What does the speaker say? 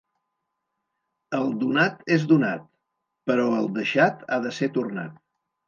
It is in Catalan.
El donat és donat, però el deixat ha de ser tornat.